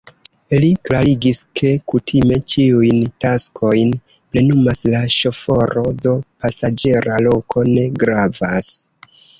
Li klarigis, ke kutime ĉiujn taskojn plenumas la ŝoforo, do pasaĝera loko ne gravas.